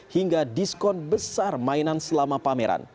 hingga diskon besar mainan selama pameran